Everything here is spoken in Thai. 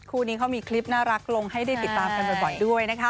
คู่นี้เขามีคลิปน่ารักลงให้ได้ติดตามกันบ่อยด้วยนะคะ